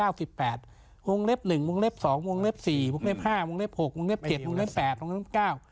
วงเล็บ๑วงเล็บ๒วงเล็บ๔วงเล็บ๕วงเล็บ๖วงเล็บ๗วงเล็บ๘วงเล็บ๙